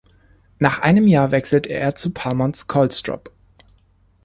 Nach einem Jahr wechselte er zu Palmans-Collstrop.